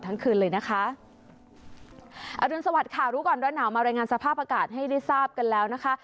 ทั้งคืนเลยนะคะอรุณสวัสดิค่ะรู้ก่อนร้อนหนาวมารายงานสภาพอากาศให้ได้ทราบกันแล้วนะคะ